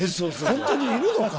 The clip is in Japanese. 本当にいるのか？